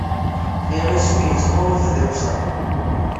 Iɣisem yettḍurru tadawsa.